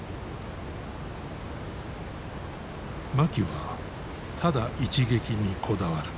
槇はただ一撃にこだわる。